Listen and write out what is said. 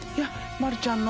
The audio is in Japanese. まるちゃんの。